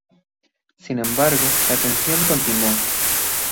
Sin embargo, la tensión continuó.